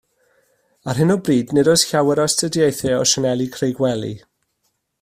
Ar hyn o bryd, nid oes llawer o astudiaethau o sianeli creigwely